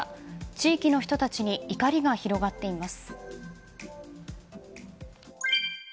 地域の人たちに怒りが広がっています。